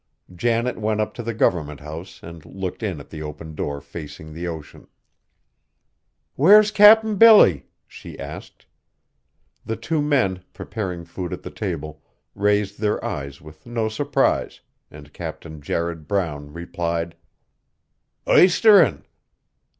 Janet went up to the government house and looked in at the open door facing the ocean. "Where's Cap'n Billy?" she asked. The two men, preparing food at the table, raised their eyes with no surprise, and Captain Jared Brown replied: "Isterin'."